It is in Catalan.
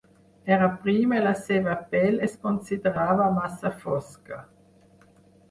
Era prima i la seva pell es considerava massa fosca.